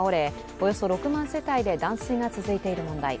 およそ６万世帯で断水が続いている問題。